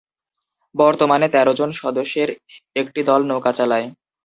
বর্তমানে তেরো জন সদস্যের একটি দল নৌকা চালায়।